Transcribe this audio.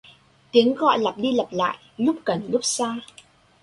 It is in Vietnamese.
tiếng gọi lặp đi lặp lại, lúc gần lúc xa